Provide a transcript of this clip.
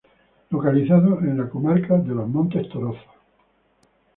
Localizado en la comarca de los Montes Torozos.